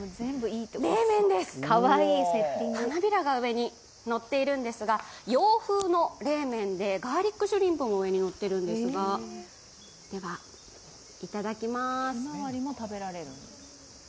冷麺です、花びらが上にのっているんですが洋風の冷麺で、ガーリックシュリンプの上にのっているんですが、では、いただきます。